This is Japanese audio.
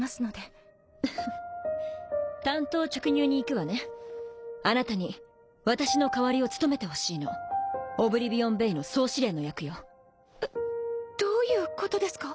フフ単刀直入にいくあなたに私の代わりを務めてほしいオブリビオンベイの総司令の役よえっどういうことですか？